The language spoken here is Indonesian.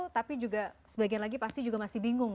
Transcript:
tapi juga sebagian lagi pasti juga masih bingung